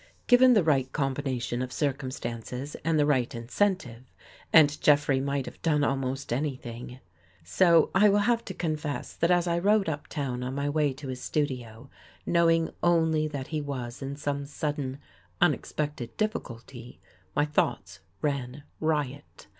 Given the right combination of cir cumstances and the right incentive, and Jeffrey might have done almost anything. So I will have to confess that as I rode up town on my way to his studio, knowing only that he was in some sudden, unexpected difficulty, my thoughts ran riot.